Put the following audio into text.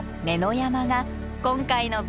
山が今回の舞台。